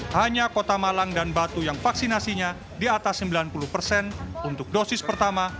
hanya kota malang dan batu yang vaksinasinya di atas sembilan puluh persen untuk dosis pertama